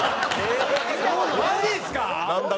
マジっすか？